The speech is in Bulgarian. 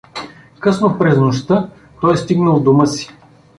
Късно през нощта той стигна у дома си.